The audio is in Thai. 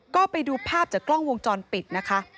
ก็ไปดูภาพจากกล้องวงจรปิดนะคะ